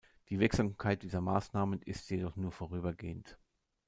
Die Wirksamkeit dieser Maßnahmen ist jedoch nur vorübergehend.